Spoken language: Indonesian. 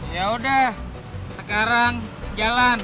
yaudah sekarang jalan